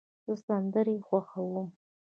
زه سندرې خوښوم.